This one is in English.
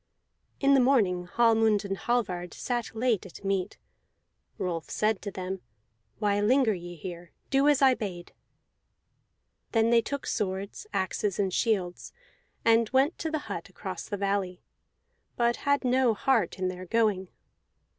In the morning Hallmund and Hallvard sat late at meat. Rolf said to them: "Why linger ye here? Do as I bade!" Then they took swords, axes, and shields, and went to the hut across the valley, but had no heart in their going.